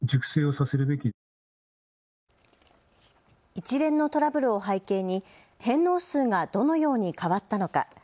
一連のトラブルを背景に返納数がどのように変わったのか。